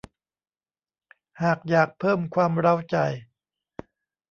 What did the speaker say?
หากอยากเพิ่มความเร้าใจ